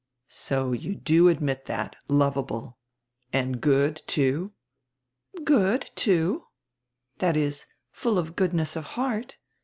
"So you do admit that — lovable. And good, too?" "Good, too. That is, full of goodness of heart.